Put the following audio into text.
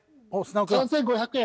３５００円。